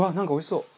そう。